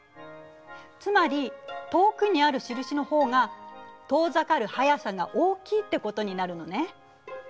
つまり遠くにある印の方が遠ざかる速さが大きいってことになるのね。